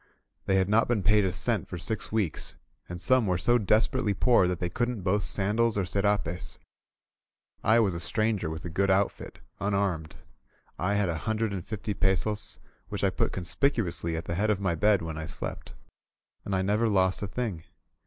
They had not been paid a cent for six weeks, and some were so desperately poor that they couldn't boast sandals or scrapes. I was a stranger with a good outfit, unarmed. I had a hundred and fifty pesos, which I put conspicuously at the head of my bed when I slept. And I never lost a thing.